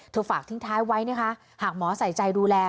เธอฝากทิ้งท้ายไว้หากหมอใส่ใจดูแล